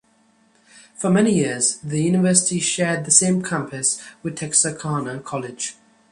For many years, the university shared the same campus with Texarkana College.